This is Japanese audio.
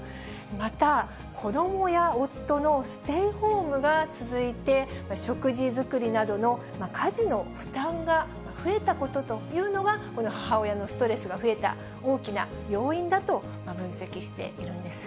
また、子どもや夫のステイホームが続いて、食事作りなどの家事の負担が増えたことというのが、この母親のストレスが増えた大きな要因だと分析しているんです。